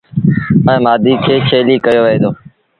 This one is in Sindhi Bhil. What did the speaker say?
ائيٚݩ مآڌي کي ڇيليٚ ڪهيو وهي دو۔